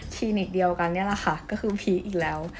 นิกเดียวกันนี่แหละค่ะก็คือผีอีกแล้ว